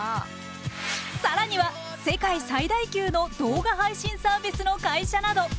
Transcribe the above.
更には世界最大級の動画配信サービスの会社など。